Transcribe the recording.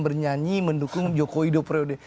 bernyanyi mendukung joko widopro